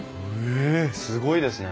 えすごいですね。